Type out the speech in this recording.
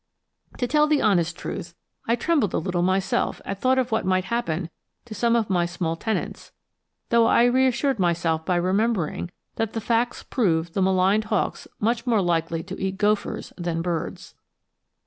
To tell the honest truth, I trembled a little myself at thought of what might happen to some of my small tenants, though I reassured myself by remembering that the facts prove the maligned hawks much more likely to eat gophers than birds.